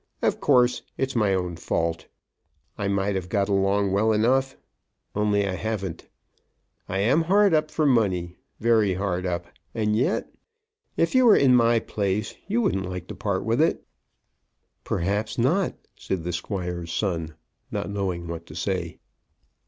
Of course it's my own fault. I might have got along well enough; only I haven't. I am hard up for money, very hard up. And yet, if you were in my place, you wouldn't like to part with it." "Perhaps not," said the Squire's son, not knowing what to say.